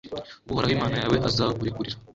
uhoraho imana yawe azawukurekurira,